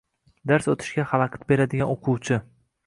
Dars oʻtishga halaqit beradigan oʻquvchi.